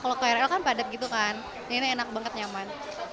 kalau krl kan padat gitu kan ini enak banget nyaman